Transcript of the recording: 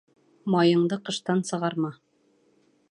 Майыңды ҡыштан сығарма